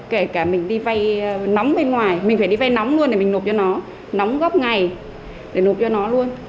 kể cả mình đi vay nóng bên ngoài mình phải đi vay nóng luôn để mình nộp cho nó nóng góc ngày để nộp cho nó luôn